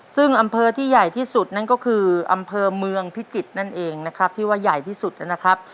ซึ่งอำเภอที่ใหญ่ที่สุดนั่นก็คืออำเภอเมืองพิจิตรนั่นเองนะครับที่ว่าใหญ่ที่สุดนะครับ